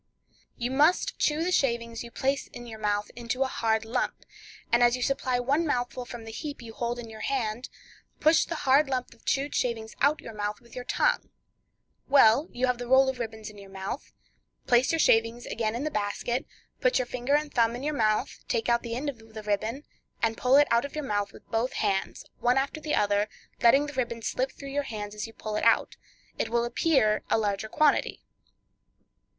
You must chew the shavings you place in your mouth into a hard lump, and as you supply one mouthful from the heap you hold in your hand, push the hard lump of chewed shavings out of your mouth with your tongue. Well, you have the roll of ribbons in your mouth; place your shavings again in the basket, put your finger and thumb in your mouth, taking the end of the ribbon, and pull it out of your mouth with both hands, one after the other; letting the ribbon slip through your hands as you pull it out, it will appear a larger quantity.